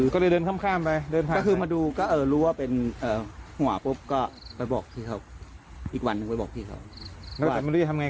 ก็เลยไม่มาตรงนี้เลย